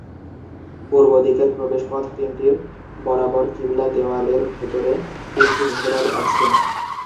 পূর্বদিকের প্রবেশপথ তিনটির বরাবর কিবলা দেওয়ালের ভেতরে তিনটি মিহরাব আছে।